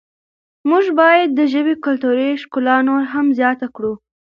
موږ باید د خپلې ژبې کلتوري ښکلا نوره هم زیاته کړو.